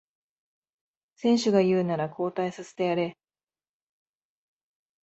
選手が言うなら交代させてやれ